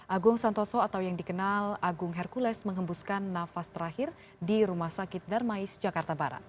agung santoso atau yang dikenal agung hercules menghembuskan nafas terakhir di rumah sakit darmais jakarta barat